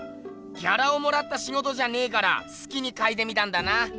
ギャラをもらったしごとじゃねえからすきにかいてみたんだな。